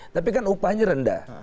tapi kan upahnya rendah